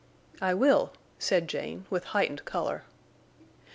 "I will," said Jane, with heightened color.